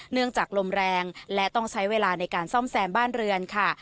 ลมจากลมแรงและต้องใช้เวลาในการซ่อมแซมบ้านเรือนค่ะ